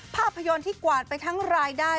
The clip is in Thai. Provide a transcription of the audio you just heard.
ภาพยนตร์ที่กวาดไปทั้งรายได้